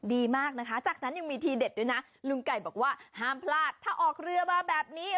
ดีมากนะคะจากนั้นยังมีทีเด็ดด้วยนะลุงไก่บอกว่าห้ามพลาดถ้าออกเรือมาแบบนี้